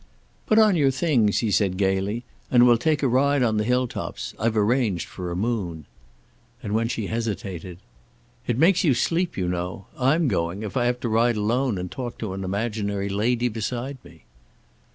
"Put on your things," he said gayly, "and we'll take a ride on the hill tops. I've arranged for a moon." And when she hesitated: "It makes you sleep, you know. I'm going, if I have to ride alone and talk to an imaginary lady beside me."